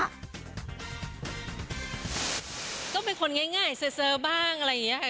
ก็เป็นคนง่ายเสื้อบ้างอะไรอย่างนี้ค่ะ